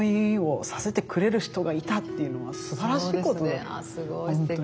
すごいすてき。